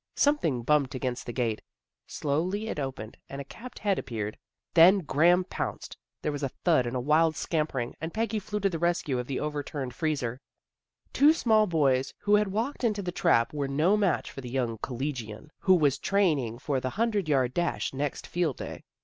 " Something bumped against the gate. Slowly it opened, and a capped head appeared. Then Graham pounced; there was a thud and a wild THE BAZAR 111 scampering, and Peggy flew to the rescue of the overturned freezer. The two small boys who had walked into the trap were no match for the young collegian, who was training for the hundred yard dash next field day.